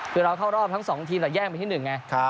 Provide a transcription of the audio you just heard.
คือเราเข้ารอบทั้ง๒ทีมแต่แย่งไปที่๑ไง